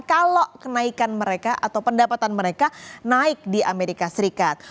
kalau kenaikan mereka atau pendapatan mereka naik di amerika serikat